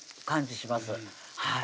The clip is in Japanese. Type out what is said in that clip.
感じします